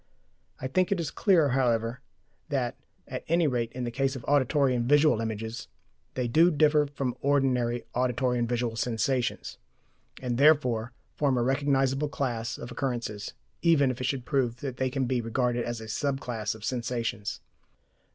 I think it is clear, however, that, at any rate in the case of auditory and visual images, they do differ from ordinary auditory and visual sensations, and therefore form a recognizable class of occurrences, even if it should prove that they can be regarded as a sub class of sensations.